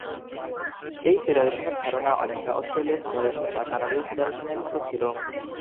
এই ফেডারেশনের ধারণা অনেকটা অস্ট্রেলীয় ফেডারেশন বা কানাডীয় ফেডারেশনের মত ছিল।